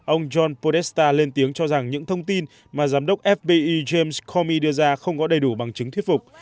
ông john podesta lên tiếng cho rằng những thông tin mà giám đốc fbi jamescommy đưa ra không có đầy đủ bằng chứng thuyết phục